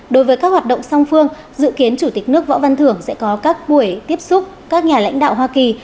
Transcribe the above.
đối với các hoạt động song phương dự kiến chủ tịch nước võ văn thưởng sẽ có các buổi tiếp xúc các nhà lãnh đạo hoa kỳ